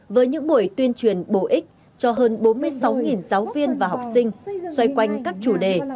với những buổi tuyên truyền bổ ích cho hơn bốn mươi sáu giáo viên và học sinh xoay quanh các chủ đề